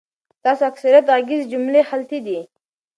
ستاسو اکثریت غږیز جملی خلطی دی